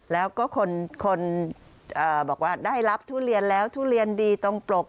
แล้วก็คนบอกว่าได้รับทุเรียนแล้วทุเรียนดีตรงปลก